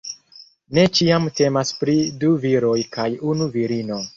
Ne ĉiam temas pri du viroj kaj unu virino.